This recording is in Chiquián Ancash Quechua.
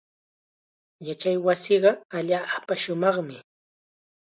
Yachaywasiiqa allaapa shumaqmi.